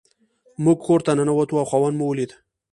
موږ کور ته ننوتو او خاوند مو ولید.